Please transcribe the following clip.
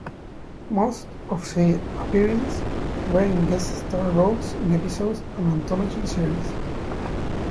Most of his appearances were in guest-star roles in episodic and anthology series.